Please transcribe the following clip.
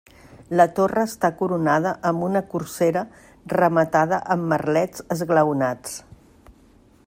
La torre està coronada amb una corsera rematada amb merlets esglaonats.